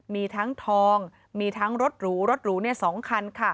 มีทั้งทองมีทั้งรถหรูรถหรู๒คัน